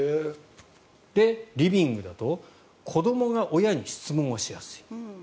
で、リビングだと子どもが親に質問をしやすい。